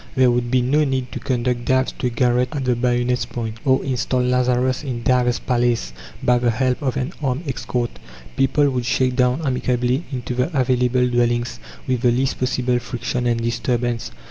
There would be no need to conduct Dives to a garret at the bayonet's point, or install Lazarus in Dives's palace by the help of an armed escort. People would shake down amicably into the available dwellings with the least possible friction and disturbance.